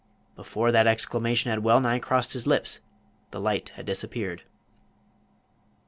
Before that exclamation had wellnigh crossed his lips the light had disappeared.